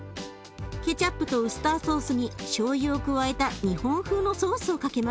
ケチャップとウスターソースにしょうゆを加えた日本風のソースをかけます。